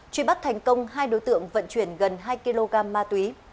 truy bắt thành công hai đối tượng vận chuyển gần hai kg ma túy